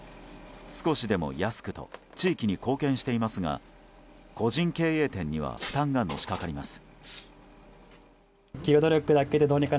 少しでも安くと地域に貢献していますが個人経営店には負担がのしかかります。